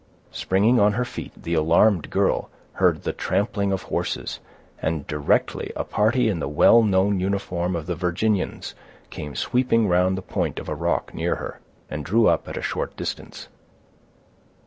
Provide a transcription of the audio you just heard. Springing on her feet, the alarmed girl heard the trampling of horses, and directly a party in the well known uniform of the Virginians came sweeping round the point of a rock near her, and drew up at a short distance.